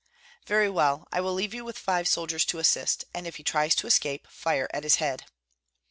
"Very well, I will leave you with five soldiers to assist; and if he tries to escape, fire at his head."